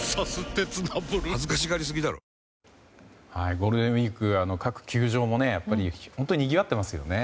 ゴールデンウィーク各球場もやっぱり本当ににぎわっていますよね。